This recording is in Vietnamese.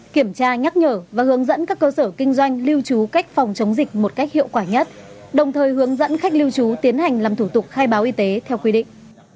kiểm tra nhắc nhở và hướng dẫn các cơ sở kinh doanh lưu trú cách phòng chống dịch một cách hiệu quả nhất đồng thời hướng dẫn khách lưu trú tiến hành làm thủ tục khai báo y tế theo quy định